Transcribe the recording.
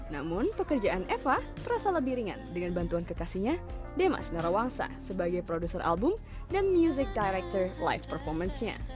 namun pekerjaan eva terasa lebih ringan dengan bantuan kekasihnya demas narawangsa sebagai produser album dan music director life performance nya